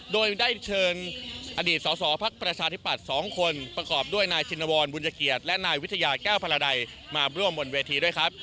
โดยได้เชิญอดีตสอสอภักดิ์ประชาธิปัตย์๒คนประกอบด้วยนายชินวรบุญเกียรติและนายวิทยาแก้วพลาดัยมาร่วมบนเวทีด้วยครับ